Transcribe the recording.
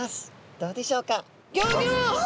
どうでしょうか。